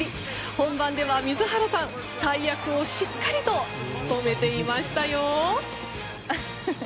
本番では、水原さん大役をしっかりと務めていましたよ。